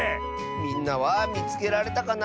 みんなはみつけられたかな？